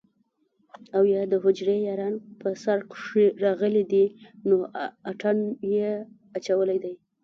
او يا دحجرې ياران په سر کښې راغلي دي نو اتڼ يې اچولے دے